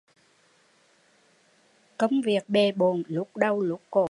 Công việc bề bộn, lút đầu lút cổ